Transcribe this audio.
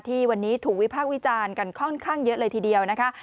ที่วันนี้ถูกวิพากษ์วิจารณ์กันค่อนข้างเยอะเลยทีเดียวนะคะ